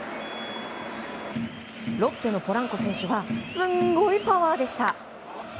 ロッテのポランコ選手はすんごいパワーでした。